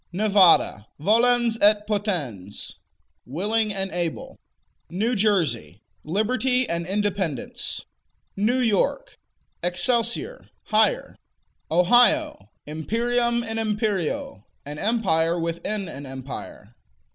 Nevada Volens et potens: Willing and able. New Jersey Liberty and Independence. New York Excelsior: Higher. Ohio Imperium in imperio: An empire within an empire.